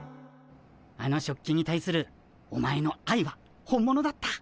あの食器に対するお前のあいは本物だった。